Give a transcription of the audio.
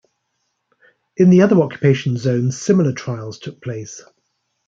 In the other occupation zones similar trials took place.